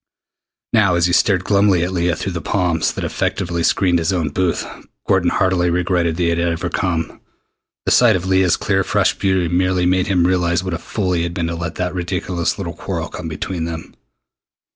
Now, as he stared glumly at Leah through the palms that effectively screened his own booth, Gordon heartily regretted that he had ever come. The sight of Leah's clear fresh beauty merely made him realize what a fool he had been to let that ridiculous little quarrel come between them.